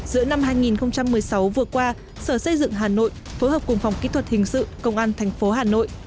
giữa năm hai nghìn một mươi sáu vừa qua sở xây dựng hà nội phối hợp cùng phòng kỹ thuật hình sự công an tp hà nội